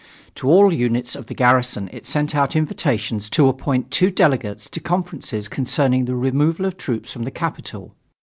To all units of the garrison it sent out invitations to appoint two delegates to conferences concerning the removal of troops from the capital.